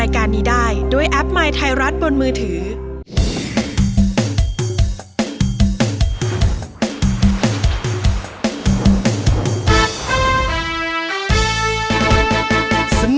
คุณล่ะโหลดหรือยัง